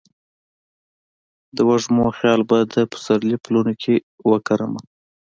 د وږمو خیال به د سپرلي پلونو کې وکرمه